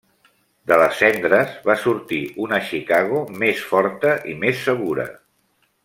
De les cendres va sortir una Chicago més forta i més segura.